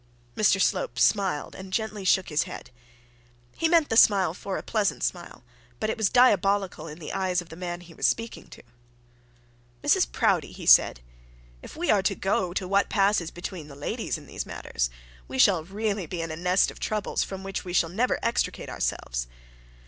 Mr Slope smiled, and gently shook his head. He meant that smile for a pleasant smile, but it was diabolical in the eyes of the man he was speaking to. 'Mrs Proudie!' he said. 'If we are to go to what passes between the ladies in these matters, we shall really be in a nest of troubles from which we shall never extricate ourselves.